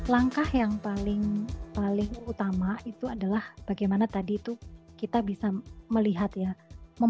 langkah yang paling utama itu adalah bagaimana tadi itu kita bisa melihat ya memetakan sourcenya kita dari mana